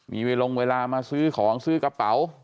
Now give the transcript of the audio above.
มีเวลาลงเวลามาซื้อของซื้อกระเป๋า